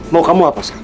mau kamu apa sekarang